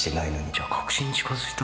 「じゃあ核心に近づいた？